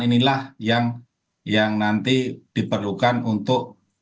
inilah yang nanti diperlukan untuk